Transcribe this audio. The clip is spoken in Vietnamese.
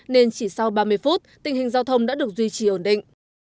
nên chỉ sau ba mươi phút tình hình giao thông đã được duy trì ổn định